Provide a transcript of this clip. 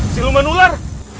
si luman ular